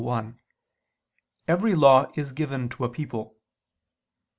1), every law is given to a people.